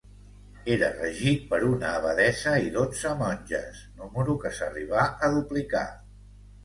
Era regit per una abadessa i dotze monges, número que s'arribà a duplicar.